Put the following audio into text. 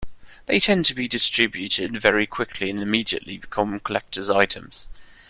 They tend to be distributed very quickly and immediately become collectors' items.